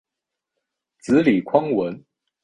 子李匡文。